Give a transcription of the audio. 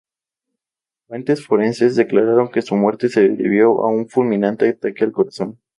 Fuentes forenses declararon que su muerte se debió a un fulminante ataque al corazón.